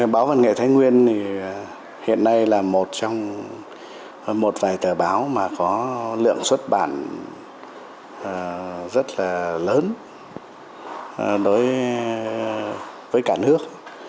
báo văn nghệ thái nguyên thì hiện nay là một trong một vài tờ báo mà có lượng xuất bản rất là lớn đối với cả nước